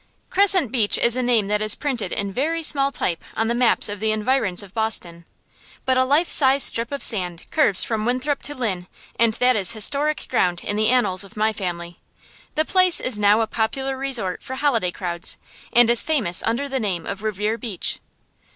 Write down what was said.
Crescent Beach is a name that is printed in very small type on the maps of the environs of Boston, but a life size strip of sand curves from Winthrop to Lynn; and that is historic ground in the annals of my family. The place is now a popular resort for holiday crowds, and is famous under the name of Revere Beach.